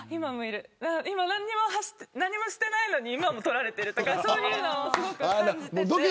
今、何もしてないのに撮られてるとかそういうのもすごく感じて。